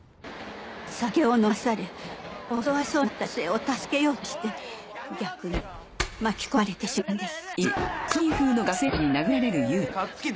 酒を飲まされ襲われそうになった女性を助けようとして逆に巻き込まれてしまったんです。